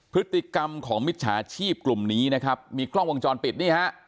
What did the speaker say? พฤติกรรมของมิจฉาชีพกลุ่มนี้นะครับมีกล้องวงจรปิดนี่ฮะ